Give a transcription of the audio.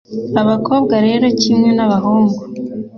Abakobwa rero kimwe n’abahungu,